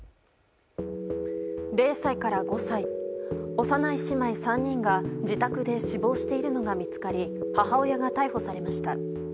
０歳から５歳幼い姉妹３人が自宅で死亡しているのが見つかり母親が逮捕されました。